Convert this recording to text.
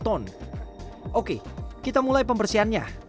oke kita mulai pembersihannya